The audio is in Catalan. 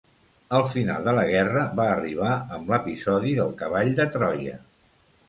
El final de la guerra va arribar amb l'episodi del cavall de Troia.